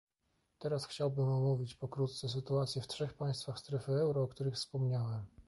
Teraz chciałbym omówić pokrótce sytuację w trzech państwach strefy euro, o których wspominałem